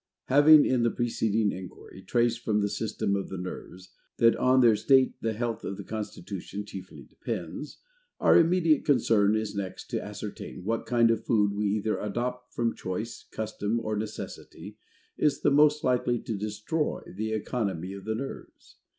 Having, in the preceding enquiry, traced, from the system of the nerves, that on their state the health of the constitution chiefly depends, our immediate concern is next to ascertain what kind of food we either adopt from choice, custom, or necessity, is the most likely to destroy the economy of the nerves.